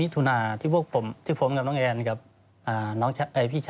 คุณแผนลักษณ์เจอไหมฮะ